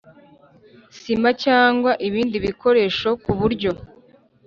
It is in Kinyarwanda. sima cyangwa ibindi bikoresho ku buryo